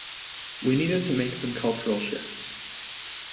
We needed to make some cultural shifts.